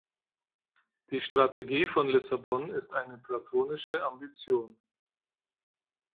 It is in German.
Die Strategie von Lissabon ist eine platonische Ambition.